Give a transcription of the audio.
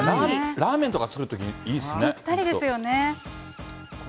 ラーメンとか作るときにいいぴったりですよね。